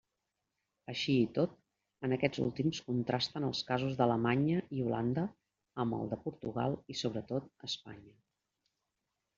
Així i tot, en aquests últims contrasten els casos d'Alemanya i Holanda, amb el de Portugal i, sobretot, Espanya.